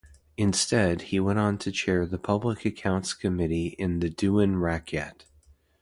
Instead, he went on to chair the Public Accounts Committee in the "Dewan Rakyat".